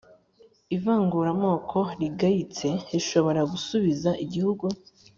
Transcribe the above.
ivanguramoko rigayitse rishobora gusubiza igihugu